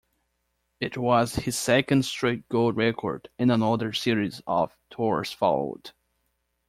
It was his second straight gold record and another series of tours followed.